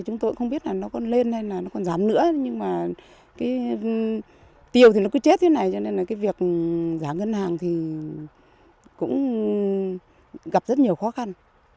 tôi cũng không biết là nó còn lên hay là nó còn giảm nữa nhưng mà tiêu thì nó cứ chết như thế này cho nên là cái việc giảm ngân hàng thì cũng gặp rất nhiều khó khăn